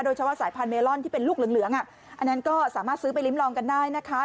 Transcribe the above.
โดยเฉพาะสายพันธุ์เมรอนที่เป็นลูกเหลืองอ่ะอันนั้นก็สามารถซื้อไปริมลองกันได้นะคะ